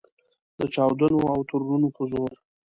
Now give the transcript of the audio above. د چاودنو او ترورونو په زور.